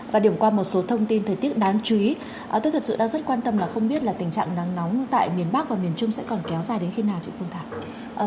và điểm qua một số thông tin thời tiết đáng chú ý tôi thật sự đang rất quan tâm là không biết là tình trạng nắng nóng tại miền bắc và miền trung sẽ còn kéo dài đến khi nào chị phương thảo